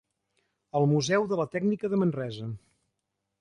El Museu de la Tècnica de Manresa.